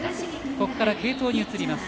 ここから継投に移ります。